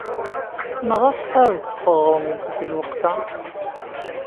Maɣef ar ad d-teɣrem deg lweqt-a?